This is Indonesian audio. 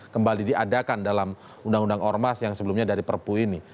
kembali diadakan dalam undang undang ormas yang sebelumnya dari perpu ini